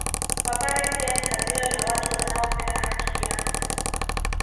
Wapare pia ni kabila la watu wanaopenda haki yaani